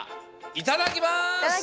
いただきます！